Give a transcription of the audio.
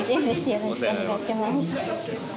よろしくお願いします